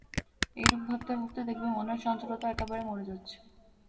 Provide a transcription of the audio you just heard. এইরূপ ভাবতে ভাবতে দেখবি মনের চঞ্চলতা একাবারে মরে যাবে।